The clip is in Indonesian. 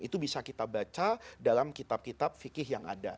itu bisa kita baca dalam kitab kitab fikih yang ada